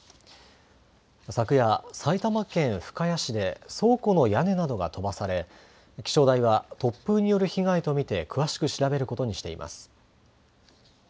昨夜、埼玉県深谷市で倉庫の屋根などが飛ばされ、気象台は突風による被害と見て、詳しく調べることにしています。